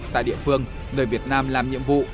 tại địa phương nơi việt nam làm nhiệm vụ